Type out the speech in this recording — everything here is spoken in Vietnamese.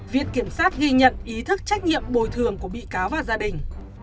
viện kiểm sát ghi nhận ý thức trách nhiệm bồi thường của bị cáo và gia đình